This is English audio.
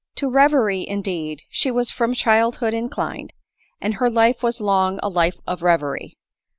To reverie, indeed, she was from childhood inclined ; and her life was long a life ' of reverie.